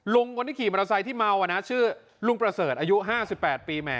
คนที่ขี่มอเตอร์ไซค์ที่เมานะชื่อลุงประเสริฐอายุ๕๘ปีแหม